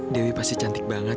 dewi pasti cantik banget